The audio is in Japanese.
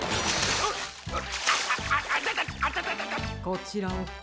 こちらを。